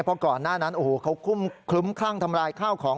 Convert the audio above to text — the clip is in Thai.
เพราะก่อนหน้านั้นโอ้โหเขาคลุ้มคลั่งทำลายข้าวของ